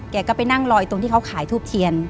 แกก็ไปนั่งรออยู่ตรงที่เขาขายทูบเทียน